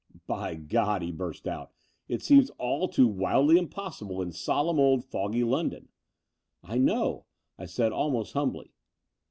"By God," he burst out, "it seems all too wildly impossible in solemn old foggy London!" "I know," I said almost humbly.